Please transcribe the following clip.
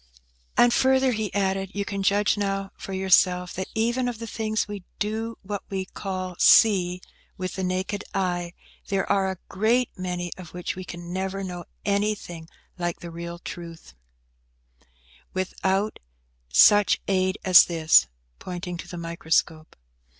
"And, further," he added, "you can judge now for yourself, that even of the things we do what we call see with the naked eye, there are a great many of which we can never know anything like the real truth, without such aid as this (pointing to the microscope).